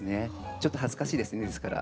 ちょっと恥ずかしいですねですから。